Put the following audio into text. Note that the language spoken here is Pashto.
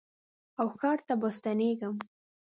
او ښار ته به ستنېږم